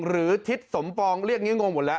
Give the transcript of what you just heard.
หรือทิศสมฟองเรียกอย่างนี้งงหมดและ